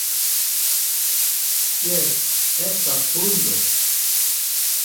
Jes, estas hundo.